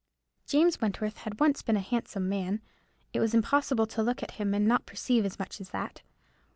James Wentworth had once been a handsome man. It was impossible to look at him and not perceive as much as that.